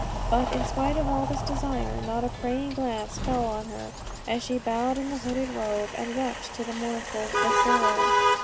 But in spite of all this desire, not a prying glance fell on her, as she bowed in the hooded robe, and wept to the mournful vocero.